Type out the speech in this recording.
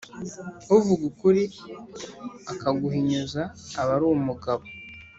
Uvuga ukuri akaguhinyuza aba ar’umugabo